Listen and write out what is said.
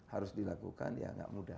harus dilakukan ya nggak mudah